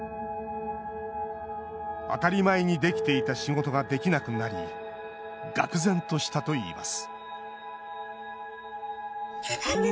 当たり前にできていた仕事ができなくなりがく然としたといいます